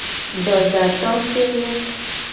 Dodatosewo.